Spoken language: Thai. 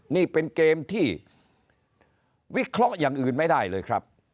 นี่เป็นเกมที่วิเคราะห์อย่างอื่นไม่ได้เลยครับ